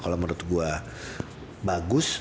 kalo menurut gue bagus